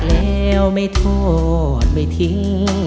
แค่แล้วไม่โทษไม่ทิ้ง